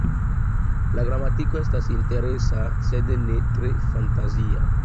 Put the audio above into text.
La gramatiko estas interesa sed ne tre fantazia.